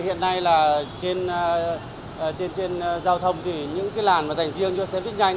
hiện nay là trên giao thông thì những cái làn mà dành riêng cho xe buýt nhanh